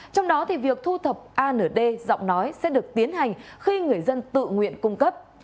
trong đó việc thu thập a nửa d giọng nói sẽ được tiến hành khi người dân tự nguyện cung cấp